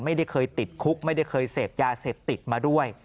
ไม่ได้เคยติดคุกไม่ได้เคยเสพยาเสพติดมาด้วย